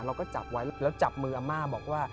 เราก็จับไว้แล้วจับมืออาม่าบอกว่า